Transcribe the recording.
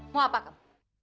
mau apa kak